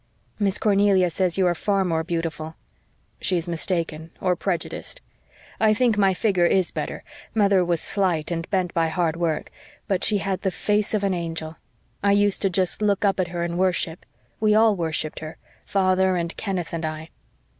"Miss Cornelia says you are far more beautiful." "She is mistaken or prejudiced. I think my figure IS better mother was slight and bent by hard work but she had the face of an angel. I used just to look up at her in worship. We all worshipped her, father and Kenneth and I."